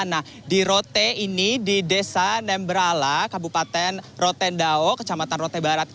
nah di rote ini di desa nembrala kabupaten rotendau kecamatan rote barat ini